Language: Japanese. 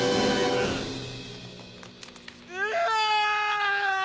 うわ！